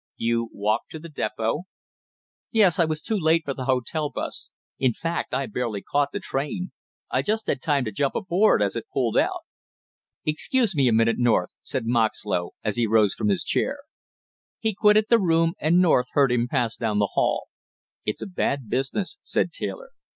"You walked to the depot?" "Yes, I was too late for the hotel bus; in fact, I barely caught the train. I just had time to jump aboard as it pulled out." "Excuse me a moment, North!" said Moxlow as he rose from his chair. He quitted the room and North heard him pass down the hall. "It's a bad business," said Taylor.